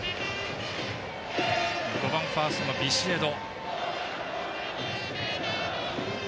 ５番ファーストのビシエド。